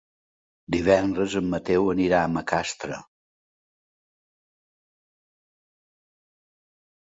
Divendres en Mateu anirà a Macastre.